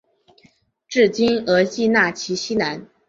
治今额济纳旗西南。